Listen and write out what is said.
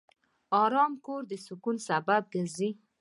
آرام کور د سکون سبب ګرځي.